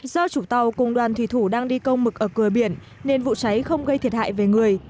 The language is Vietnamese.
do chủ tàu cùng đoàn thủy thủ đang đi công mực ở cửa biển nên vụ cháy không gây thiệt hại về người